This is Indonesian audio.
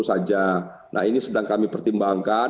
saja nah ini sedang kami pertimbangkan